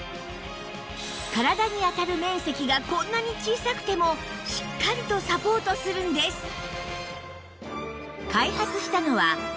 体に当たる面積がこんなに小さくてもしっかりとサポートするんです